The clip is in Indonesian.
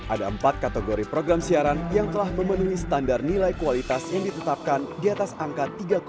ada empat kategori program siaran yang telah memenuhi standar nilai kualitas yang ditetapkan di atas angka tiga